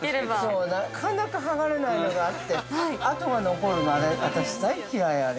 ◆そう、なかなか剥がれないのがあって、跡が残るの、私大嫌い、あれ。